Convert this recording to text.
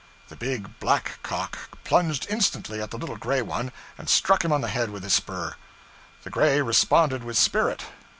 The big black cock plunged instantly at the little gray one and struck him on the head with his spur. The gray responded with spirit.